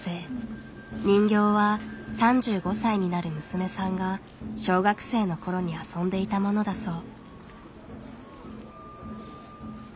人形は３５歳になる娘さんが小学生のころに遊んでいたものだそう。